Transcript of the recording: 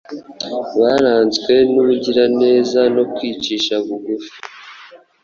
baranzwe n’ubugiraneza no kwicisha bugufi,